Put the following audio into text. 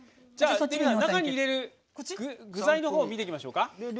中に入れる具材のほう見ていきましょうか。